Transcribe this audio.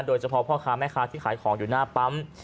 โดยเฉพาะพ่อค้าแม่ค้าที่ขายของอยู่หน้าปั๊ม